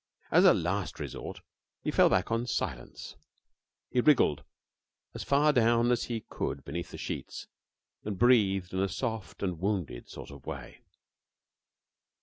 As a last resort he fell back on silence. He wriggled as far down as he could beneath the sheets and breathed in a soft and wounded sort of way.